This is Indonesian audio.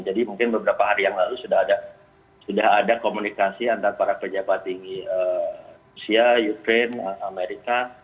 jadi mungkin beberapa hari yang lalu sudah ada komunikasi antara para pejabat tinggi rusia ukraine amerika